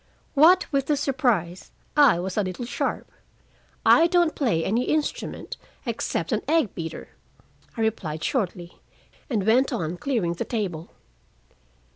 What with the surprise, I was a little sharp. "I don't play any instrument except an egg beater," I replied shortly, and went on clearing the table.